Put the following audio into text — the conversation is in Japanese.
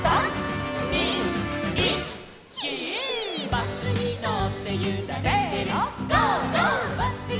「バスにのってゆられてる」